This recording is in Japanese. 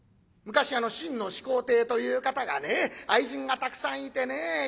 昔あの秦の始皇帝という方がね愛人がたくさんいてねえ。